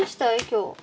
今日。